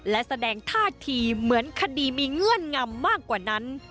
และแสดงท่าทีเหมือนคดีมีเงื่อนงำมากกว่านั้น